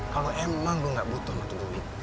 kalau emang gua gak butuh amat duit